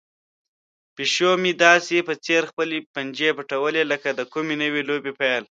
پیشو مې داسې په ځیر خپلې پنجې پټوي لکه د کومې نوې لوبې پیل.